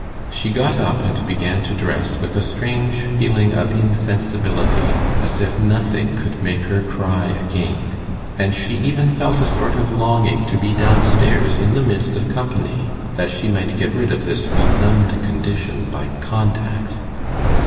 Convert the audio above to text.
She got up and began to dress with a strange feeling of insensibility, as if nothing could make her cry again; and she even felt a sort of longing to be down stairs in the midst of company, that she might get rid of this benumbed condition by contact.